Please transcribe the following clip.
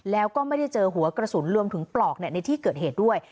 แล้วก็ไม่ได้เจอหัวกระสุนรวมถึงปลอกในที่เกิดเหตุด้วย